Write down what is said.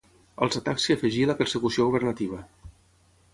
Als atacs s'hi afegí la persecució governativa.